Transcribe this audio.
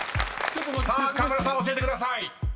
［河村さん教えてください］